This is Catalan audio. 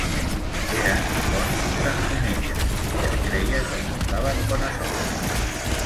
Eren bons sentinelles, i es creia que portaven bona sort.